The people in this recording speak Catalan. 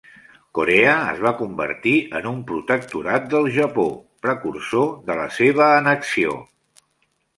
Corea es va convertir en un protectorat del Japó, precursor de la seva annexió.